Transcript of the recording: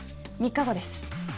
３日後です